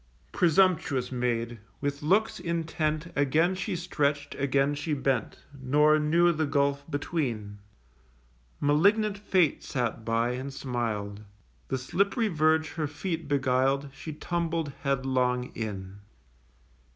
Presumptuous Maid! with looks intent Again she stretch'd, again she bent, Nor knew the gulf between. (Malignant Fate sat by, and smiled.) The slipp'ry verge her feet beguiled, She tumbled headlong in.